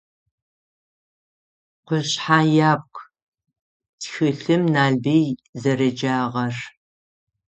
«Къушъхьэ ябг» тхылъым Налбый зэреджагъэр.